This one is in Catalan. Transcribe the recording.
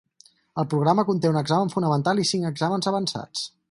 El programa conté un examen fonamental i cinc exàmens avançats.